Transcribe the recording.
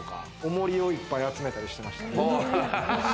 重りをいっぱい集めたりしてました。